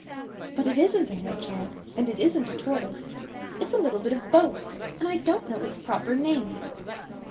'But it isn't a Hedgehog, and it isn't a Tortoise. It's a little bit of both, and I don't know its proper name.